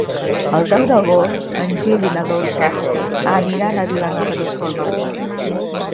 El deu d'agost en Gil i na Dolça aniran a Vilanova d'Escornalbou.